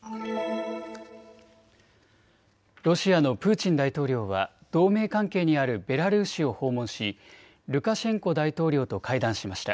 ロシアのプーチン大統領は同盟関係にあるベラルーシを訪問し、ルカシェンコ大統領と会談しました。